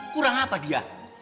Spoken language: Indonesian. kurang apa dia